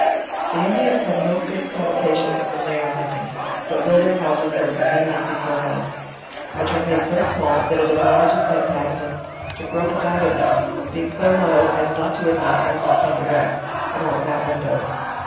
The Indians have no fixed habitations when they are hun ting; but build their houses where conveniency presents; which are made so small, that it oblges the inhobitants to grope about in them, being so low as not to admit one to stand erect, and are without windows.